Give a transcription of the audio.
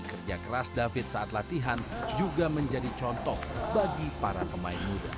kerja keras david saat latihan juga menjadi contoh bagi para pemain muda